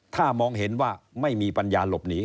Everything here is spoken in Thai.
ถ้ามองเห็นว่าไม่มีปัญญาหลบหนี